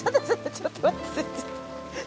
ちょっと待って。